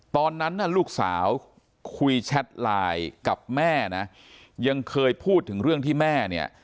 ตอนนั้นน่ะลูกสาวคุยแชทไลน์กับแม่นะยังเคยพูดถึงเรื่องที่แม่เนี่ย